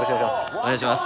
お願いします。